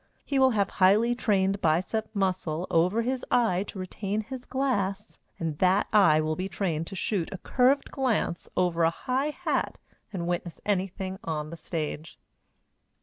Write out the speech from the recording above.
He will have a highly trained biceps muscle over his eye to retain his glass, and that eye will be trained to shoot a curved glance over a high hat and witness anything on the stage.